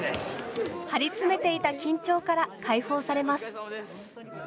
張り詰めていた緊張から解放されます。